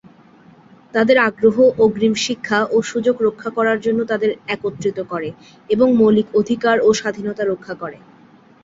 তাদের আগ্রহ, অগ্রিম শিক্ষা ও সুযোগ রক্ষা করার জন্য তাদের একত্রিত করে এবং মৌলিক অধিকার ও স্বাধীনতা রক্ষা করে।